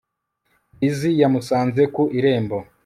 Lizzie yamusanze ku irembo